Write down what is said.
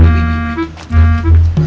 wih ruh ruh ruh